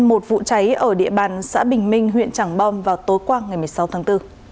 một vụ cháy ở địa bàn xã bình minh huyện trảng bom vào tối qua ngày một mươi sáu tháng bốn